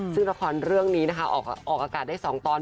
ซึ่งละครเรื่องนี้นะคะออกอากาศได้๒ตอน